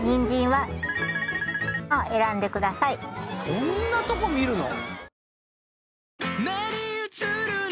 そんなとこ見るの？